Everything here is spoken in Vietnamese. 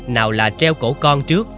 nào là treo cổ con trước